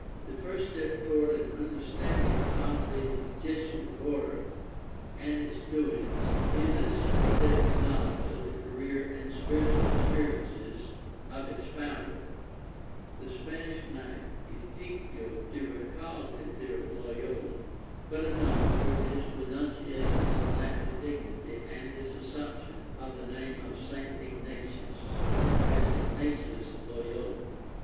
— The first step toward an understanding of the Jesuit order and its doings is a s>Tnpathetic knowledge of the career and spirit ual experiences otits founder, the Spanish knight Ifiigo de Recalde de Loyola, better known, through his renunciation of knightly dignity and his assumption of the name of St. Ignatius, as Ignatius Loyola.